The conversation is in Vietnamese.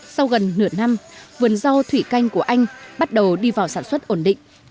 sau gần nửa năm vườn rau thủy canh của anh bắt đầu đi vào sản xuất ổn định